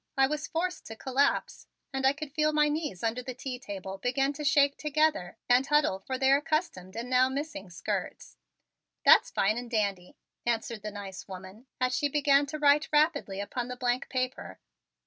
I was forced to collapse and I could feel my knees under the tea table begin to shake together and huddle for their accustomed and now missing skirts. "That's fine and dandy," answered the nice woman as she began to write rapidly upon the blank paper.